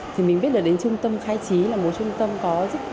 thì mình biết được đến trung tâm khai trí là một trung tâm có rất